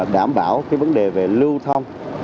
đảm bảo vấn đề về lưu thông